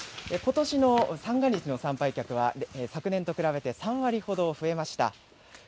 ことしの三が日の参拝客は、昨年と比べて３割ほど増えました。